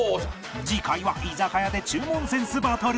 次回は居酒屋で注文センスバトル